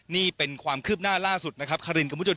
นี่เป็นความคืบหน้าล่าสุดนะครับ